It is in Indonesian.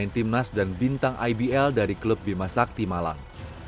timnas dan bintang ibl dari klub bima sakti malang